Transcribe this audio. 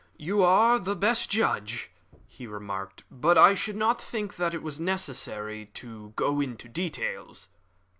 "You are the best judge," he remarked "but I should not think that it was necessary to go into details."